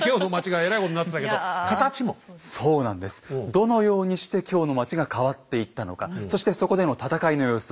どのようにして京の街が変わっていったのかそしてそこでの戦いの様子